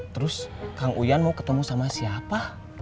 terus kang uyan mau ketemu sama siapa